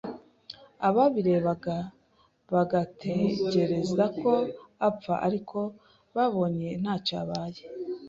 ababirebaga bagategereza ko apfa, ariko babonye ntacyo abaye,